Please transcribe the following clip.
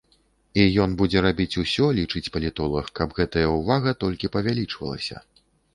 І ён будзе рабіць усё, лічыць палітолаг, каб гэтая ўвага толькі павялічвалася.